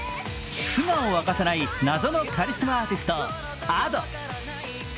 素顔を明かさない謎のカリスマアーティスト・Ａｄｏ。